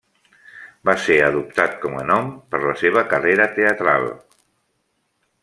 Va ser adoptat com a nom per la seva carrera teatral.